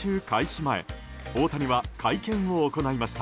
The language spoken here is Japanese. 前大谷は会見を行いました。